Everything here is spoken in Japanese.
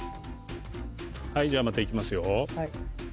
はいじゃあまたいきますよ。